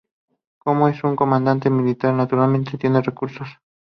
Como es un comandante militar, naturalmente tiene recursos.